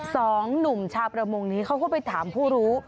สองหนุ่มชาวประมงนี้เขาก็ไปถามผู้รู้